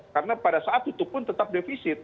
karena pada saat tutup pun tetap defisit